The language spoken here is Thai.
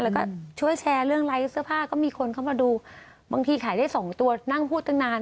แล้วก็ช่วยแชร์เรื่องไร้เสื้อผ้าก็มีคนเข้ามาดูบางทีขายได้สองตัวนั่งพูดตั้งนาน